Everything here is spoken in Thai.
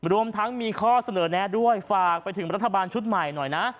รวมทั้งมีข้อเสนอแนะด้วยฝากไปถึงรัฐบาลชุดใหม่หน่อยนะ